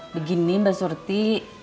begini mbak surti